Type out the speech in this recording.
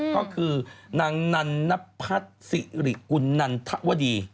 ก็คือนางนันนพัฒน์สิริกุลนันทวดี